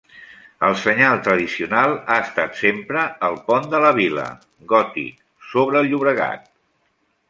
El senyal tradicional ha estat sempre el pont de la Vila, gòtic, sobre el Llobregat.